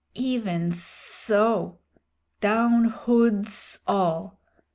"Even ssso! Down hoods all!"